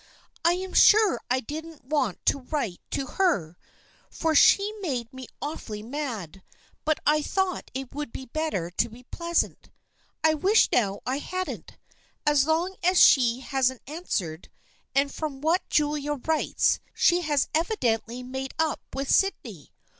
" I am sure I didn't want to write to her, for she made me awfully mad, but I thought it was better to be pleasant. I wish now I hadn't, as long as she hasn't answered, and from what Julia writes she has evidently made up with Syd ney.